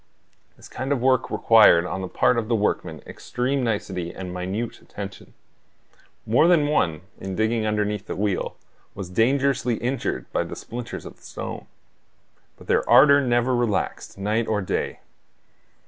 This kind of work required on the part of the workmen extreme nicety and minute attention. More than one, in digging underneath the wheel, was dangerously injured by the splinters of stone. But their ardor never relaxed, night or day.